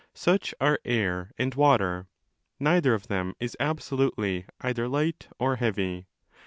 Such are air and water. Neither of them is absolutely either light or heavy.